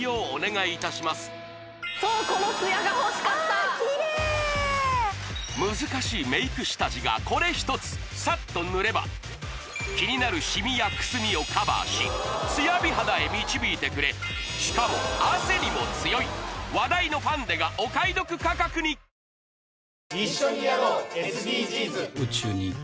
・ああキレイ難しいメイク下地がこれ一つサッと塗れば気になるシミやくすみをカバーしツヤ美肌へ導いてくれしかも汗にも強い話題のファンデがお買い得価格にさあ